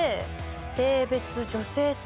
性別「女性」と。